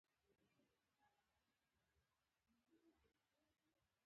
د استخباراتي روزۍ لپاره یې افغاني کېږدۍ نسکورې کړي.